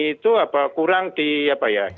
itu kurang di apa ya